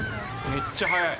「めっちゃ速い」